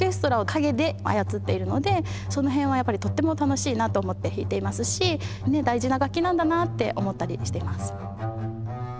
その辺はやっぱりとっても楽しいなと思って弾いていますし大事な楽器なんだなって思ったりしてます。